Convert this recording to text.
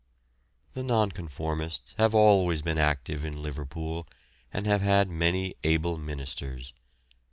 The nonconformists have always been active in Liverpool, and have had many able ministers.